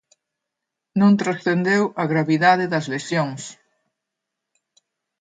Non transcendeu a gravidade das lesións.